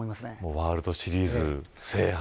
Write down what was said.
ワールドシリーズ制覇